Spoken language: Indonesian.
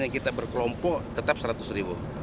yang kita berkelompok tetap seratus ribu